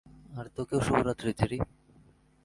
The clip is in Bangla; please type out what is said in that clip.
আর তোকেও শুভরাত্রি, জেরি।